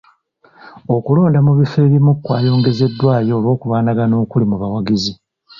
Okulonda mu bifo ebimu kwayongezeddwayo olw'okulwanagana okuli mu bawagizi.